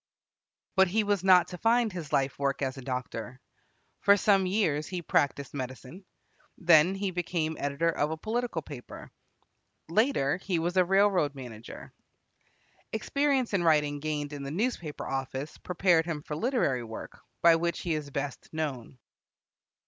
But he was not to find his life work as a doctor. For some years he practised medicine. Then he became editor of a political paper. Later, he was a railroad manager. Experience in writing gained in the newspaper office prepared him for literary work, by which he is best known.